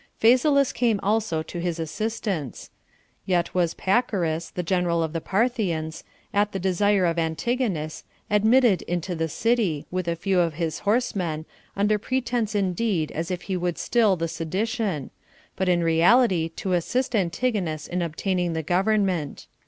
Phasaelus came also to his assistance; yet was Pacorus, the general of the Parthians, at the desire of Antigonus, admitted into the city, with a few of his horsemen, under pretence indeed as if he would still the sedition, but in reality to assist Antigonus in obtaining the government.